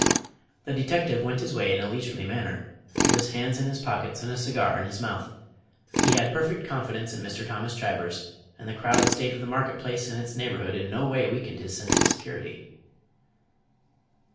The detective went his way in a leisurely manner, with his hands in his pockets and a cigar in his mouth. He had perfect confidence in Mr. Thomas Chivers, and the crowded state of the market place and its neighborhood in no way weakened his sense of security.